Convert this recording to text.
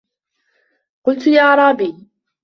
قُلْتُ لِأَعْرَابِيٍّ